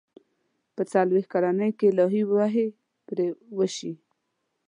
په څلوېښت کلنۍ کې الهي وحي پرې وشي.